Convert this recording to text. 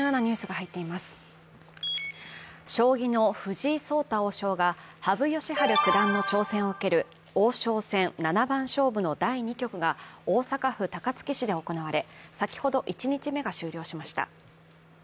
将棋の藤井聡太王将が羽生善治九段の挑戦を受ける王将戦七番勝負の第２局が大阪府高槻市で行われ、先ほど１日目が終了しました。